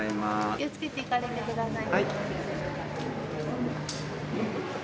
気をつけて行かれて下さい。